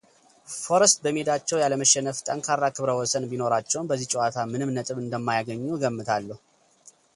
ፎረስት በሜዳቸው ያለመሸነፍ ጠንካራ ክብረ ወሰን ቢኖራቸውም በዚህ ጨዋታ ምንም ነጥብ እንደማያገኙ እገምታለሁ።